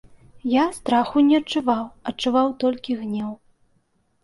Я страху не адчуваў, адчуваў толькі гнеў.